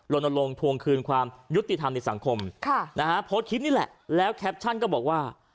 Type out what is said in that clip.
ลงทวงคืนความยุติธรรมในสังคมค่ะนะฮะโพสต์คลิปนี่แหละแล้วแคปชั่นก็บอกว่า